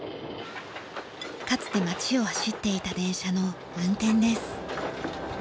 かつて町を走っていた電車の運転です。